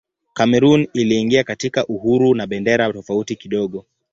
Kamerun iliingia katika uhuru na bendera tofauti kidogo.